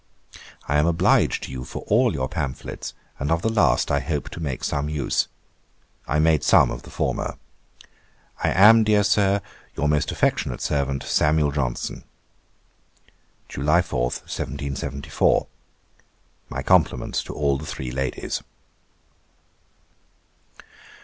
'I am obliged to you for all your pamphlets, and of the last I hope to make some use. I made some of the former. 'I am, dear Sir, 'Your most affectionate servant, 'SAM. JOHNSON.' 'July 4, 1774.' 'My compliments to all the three ladies.'